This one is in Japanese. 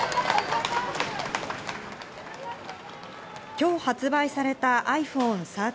今日発売されたｉＰｈｏｎｅ１３。